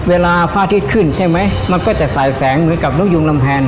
เวลาพระอาทิตย์ขึ้นใช่ไหมมันก็จะสายแสงเหมือนกับนกยุงลำแพง